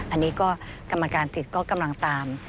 อันนี้กรรมการสิทธิก็กำลังตาม